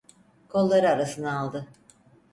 Kolları arasına aldı.